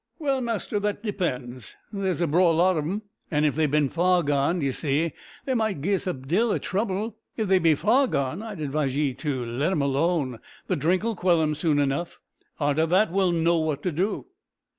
"Well, master, that depends. There's a braw lot on 'em, an' if they beant far gone, d'ee see, they might gie us a deal o' trouble. If they be far gone I'd advise ye to let 'em alone; the drink'll quell 'em soon enough. Arter that we'll know what to do."